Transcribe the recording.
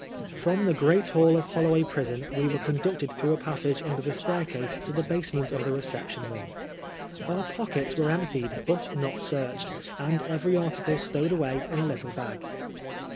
^om the great hall of HoUoway prison we were conducted through a passage under the staircase to the basement of the reception wing. Our pockets were emptied, but not searched, and every article stowed away in a little bag.